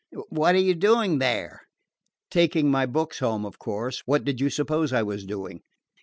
"What are you doing there?" "Taking my books home, of course. What did you suppose I was doing?"